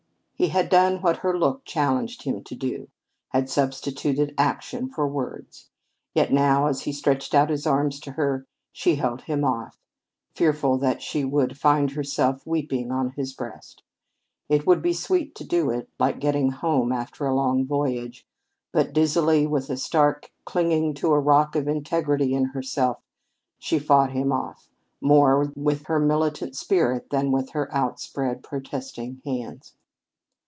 He had done what her look challenged him to do, had substituted action for words, yet now, as he stretched out his arms to her, she held him off, fearful that she would find herself weeping on his breast. It would be sweet to do it like getting home after a long voyage. But dizzily, with a stark clinging to a rock of integrity in herself, she fought him off, more with her militant spirit than with her outspread, protesting hands.